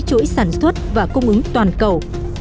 chuỗi sản xuất và cung ứng toàn cầu